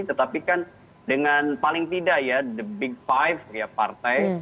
tetapi kan dengan paling tidak ya the big five ya partai